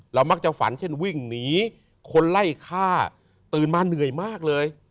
มักจะฝันเช่นวิ่งหนีคนไล่ฆ่าตื่นมาเหนื่อยมากเลย